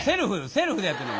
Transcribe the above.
セルフでやってんの？